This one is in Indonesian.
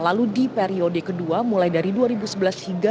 lalu di periode kedua mulai dari dua ribu sebelas hingga dua ribu sembilan belas